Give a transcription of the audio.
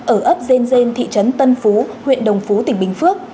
ở ấp dên dên thị trấn tân phú huyện đồng phú tỉnh bình phước